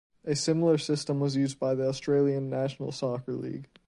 A similar system was used by the Australian National Soccer League.